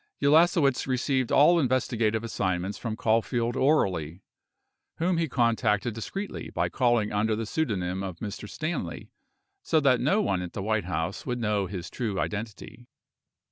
9 Ulasewicz received all investigative assignments from Caulfield orally, whom he contacted discreetly by calling under the pseudonym of Mr. Stanley so that no one at the White House would know his true identity.